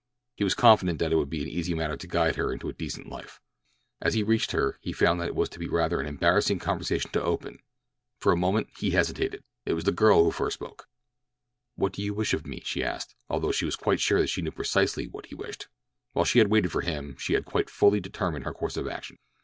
He was confident that it would be an easy matter to guide her into a decent life. As he reached her he found that it was to be rather an embarrassing conversation to open. For a moment he hesitated. It was the girl who first spoke. "What do you wish of me?" she asked, although she was quite sure that she knew precisely what he wished. While she had waited for him she had quite fully determined her course of action.